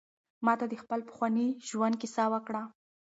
ما ته د خپل پخواني ژوند کیسه وکړه.